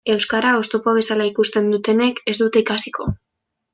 Euskara oztopo bezala ikusten dutenek ez dute ikasiko.